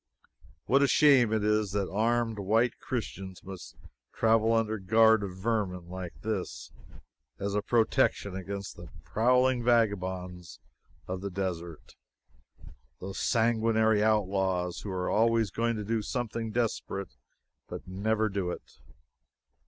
What a shame it is that armed white Christians must travel under guard of vermin like this as a protection against the prowling vagabonds of the desert those sanguinary outlaws who are always going to do something desperate, but never do it.